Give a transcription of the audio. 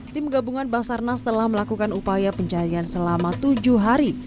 tim gabungan basarnas telah melakukan upaya pencarian selama tujuh hari